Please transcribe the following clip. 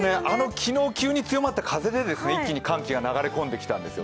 昨日急に強まったあの風で一気に寒気が入り込んできたんです。